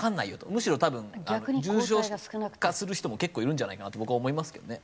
むしろ多分重症化する人も結構いるんじゃないかなと僕は思いますけどね。